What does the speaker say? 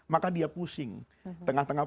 maka dia pusing tengah tengah